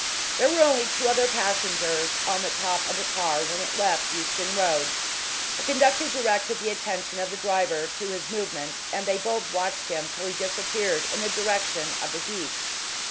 There were only two other passengers on the top of the car when it left Euston Road. The conductor directed the attention of the driver to his movements, and they both watched him till he disappeared in the direction of the Heath.